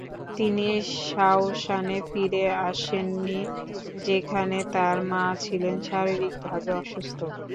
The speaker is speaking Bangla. তিনি শাওশানে ফিরে আসেননি, যেখানে তার মা ছিলেন শারীরিকভাবে অসুস্থ।